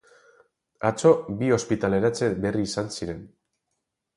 Atzo bi ospitaleratze berri izan ziren.